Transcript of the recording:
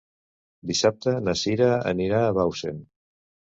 Dissabte na Cira anirà a Bausen.